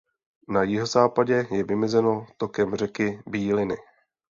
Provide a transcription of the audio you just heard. Na jihozápadě je vymezeno tokem řeky Bíliny.